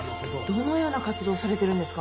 どのような活動をされてるんですか？